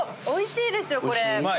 おいしいですよこれ。